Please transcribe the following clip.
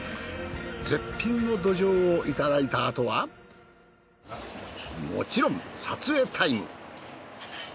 絶品のどじょうをいただいたあとはもちろん撮影タイム。